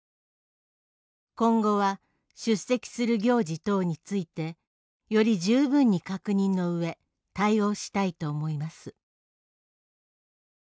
今後は出席する行事等についてより十分に確認のうえ対応したいと思います」。